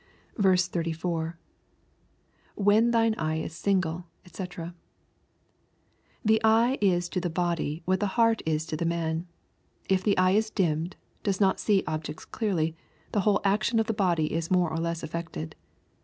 34. — [When thine eye is single^ ^c] The eye is to the body, what the heart is to the man. If the eye is dimmed — does not see objects clearly, the whole action of the body is more or lesa affected.